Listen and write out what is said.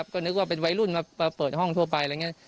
ก็นึกว่าเป็นวัยรุ่นมาเปิดห้องทั่วไป